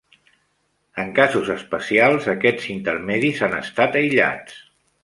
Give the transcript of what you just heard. En casos especials, aquests intermedis han estat aïllats.